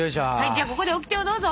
じゃあここでオキテをどうぞ！